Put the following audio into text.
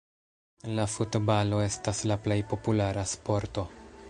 La futbalo estas la plej populara sporto.